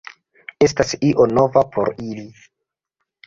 Estas io nova por ili.